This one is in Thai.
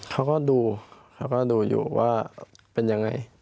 เขาก็ดูอยู่ว่าเป็นยังไง